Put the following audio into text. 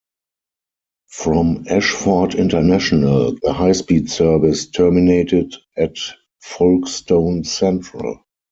From Ashford International, the High Speed service terminated at Folkestone Central.